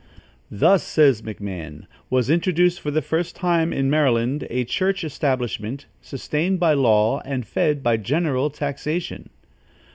"Thus," says McMahan, "was introduced, for the first time in Maryland, a church establishment, sustained by law and fed by general taxation."